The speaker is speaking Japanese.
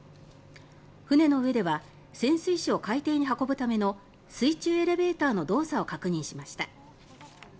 船の上では潜水士を海底に運ぶための水中エレベーターの動作を確認しました。